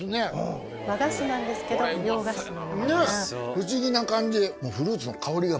不思議な感じ。